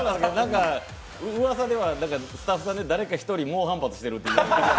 うわさではスタッフさんで誰か１人猛反発してるっていう。